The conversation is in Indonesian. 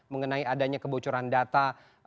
mengenai adanya kebocoran data